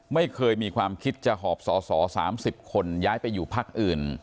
ไม่เคยมีความคิดจะหอบสอสอ๓๐คนย้ายไปอยู่พักอื่น